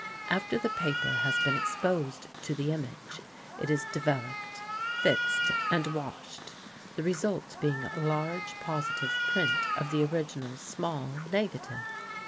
After the paper has been exposed to the image it is developed, fixed and washed, the result being a large positive print of the original small negative.